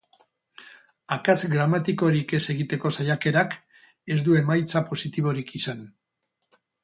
Akats gramatikorik ez egiteko saiakerak ez du emaitza positiborik izan.